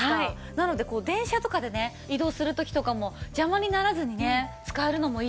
なのでこう電車とかでね移動する時とかも邪魔にならずにね使えるのもいいです。